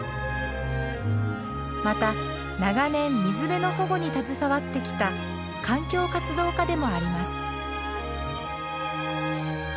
また長年水辺の保護に携わってきた環境活動家でもあります。